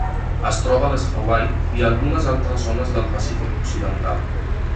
Es troba a les Hawaii i a algunes altres zones del Pacífic occidental.